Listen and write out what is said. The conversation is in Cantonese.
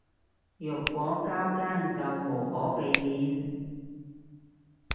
若果交更就無可避免